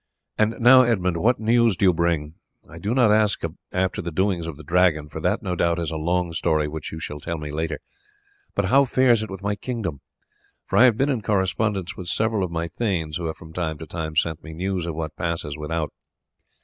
And now, Edmund, what news do you bring? I do not ask after the doings of the Dragon, for that no doubt is a long story which you shall tell me later, but how fares it with my kingdom? I have been in correspondence with several of my thanes, who have from time to time sent me news of what passes without.